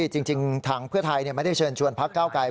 จริงทางเพื่อไทยไม่ได้เชิญชวนพักเก้าไกร